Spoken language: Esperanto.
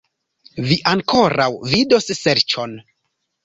Vi ankoraŭ vidos ŝercon!